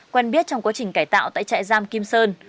quen biết trong quá trình cải tạo tại chạy giao